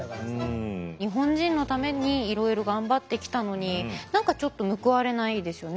日本人のためにいろいろ頑張ってきたのに何かちょっと報われないですよね。